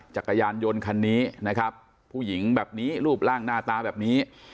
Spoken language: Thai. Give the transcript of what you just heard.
จักรยานยนต์คันนี้นะครับผู้หญิงแบบนี้รูปร่างหน้าตาแบบนี้